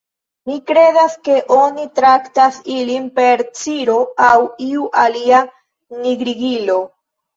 "Mi kredas ke oni traktas ilin per ciro aŭ iu alia nigrigilo."